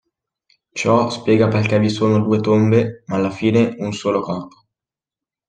Ciò spiega perché vi sono due tombe ma alla fine un solo corpo.